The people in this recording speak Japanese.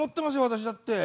私だって。